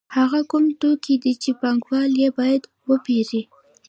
هغه کوم توکي دي چې پانګوال یې باید وپېري